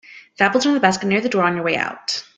The apples are in the basket near the door on your way out.